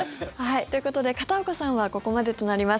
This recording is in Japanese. ということで片岡さんはここまでとなります。